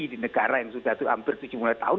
di negara yang sudah hampir tujuh mulai tahun